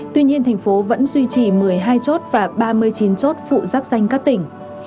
tuy nhiên thành phố vẫn duy trì một mươi hai chốt và ba mươi chín chốt phụ ráp xanh các tỉnh